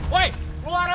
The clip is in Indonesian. woy keluar woy